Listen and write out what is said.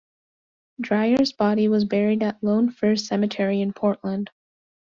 Dryer's body was buried at Lone Fir Cemetery in Portland.